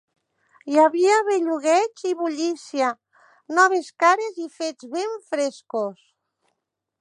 Hi havia bellugueig i bullícia, noves cares i fets ben frescos.